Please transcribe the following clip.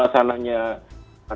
pertama itu kalau bisa mendisiplinkan